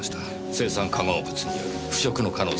青酸化合物による腐食の可能性があります。